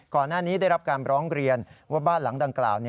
ก่อนหน้านี้ได้รับการร้องเรียนว่าบ้านหลังดังกล่าว